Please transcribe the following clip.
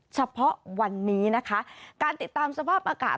เฉพาะวันนี้นะคะการติดตามสภาพอากาศ